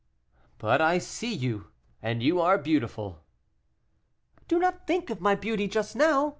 "But I see you, and you are beautiful." "Do not think of my beauty just now!